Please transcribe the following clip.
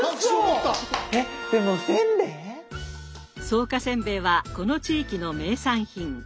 草加せんべいはこの地域の名産品。